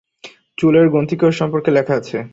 চুলের গ্রন্থিকোষ সম্পর্কে লেখা আছে।